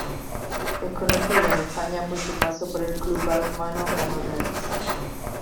Es conocido en España por su paso por el Club Balonmano Granollers.